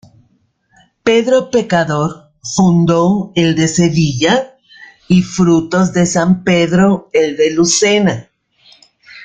Pedro Pecador fundó el de Sevilla y Frutos de San Pedro el de Lucena.